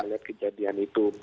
dengan kejadian itu